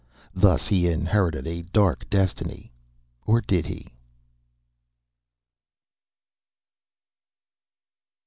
Thus he inherited a dark destiny or did he?